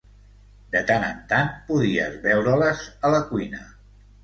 De tant en tant, podies veure-les a la cuina.